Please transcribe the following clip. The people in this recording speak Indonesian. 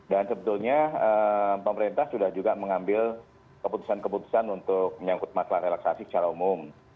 dan sebetulnya pemerintah sudah juga mengambil keputusan keputusan untuk menyangkut masalah relaksasi secara umum